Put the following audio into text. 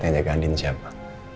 yang jaga andin siapa